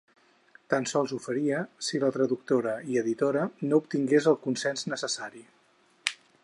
Tan sols ho faria si la traductora i editora no obtingués el consens necessari.